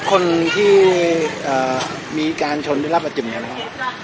แล้วคนที่มีการชนในรับประจำอย่างนั้น